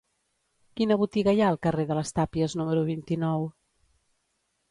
Quina botiga hi ha al carrer de les Tàpies número vint-i-nou?